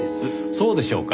そうでしょうか？